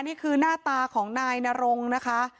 นี่คือหน้าตาของนายนรงนะคะ